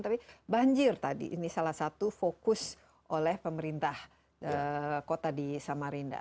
tapi banjir tadi ini salah satu fokus oleh pemerintah kota di samarinda